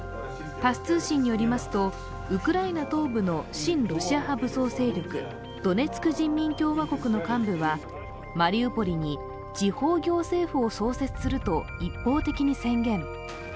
タス通信によりますと、ウクライナ東部の親ロシア派武装勢力ドネツク人民共和国の幹部はマリウポリに地方行政府を創設すると一方的に宣言。